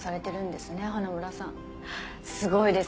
すごいです！